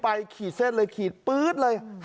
ขีดเส้นเลยขีดปื๊ดเลย